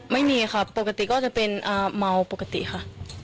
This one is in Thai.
ไม่มีค่ะปกติก็จะเป็นเมาปกติค่ะ